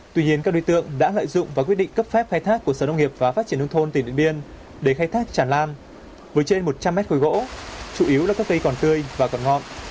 tuy nhiên các đối tượng đã lợi dụng và quyết định cấp phép khai thác của sở nông nghiệp và phát triển nông thôn tỉnh điện biên để khai thác chản lan với trên một trăm linh mét khối gỗ chủ yếu là các cây còn tươi và còn ngọn